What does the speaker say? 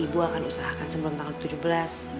ibu akan usahakan sebelum tanggal tujuh belas